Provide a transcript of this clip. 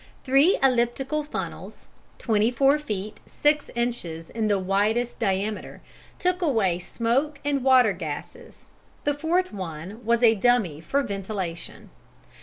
Three elliptical funnels, 24 feet 6 inches in the widest diameter, took away smoke and water gases; the fourth one was a dummy for ventilation.